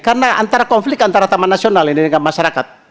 karena antara konflik antara taman nasional ini dengan masyarakat